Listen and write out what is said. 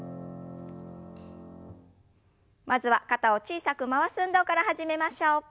まずは肩を小さく回す運動から始めましょう。